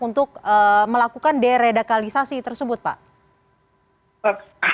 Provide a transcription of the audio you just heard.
untuk melakukan deradikalisasi tersebut pak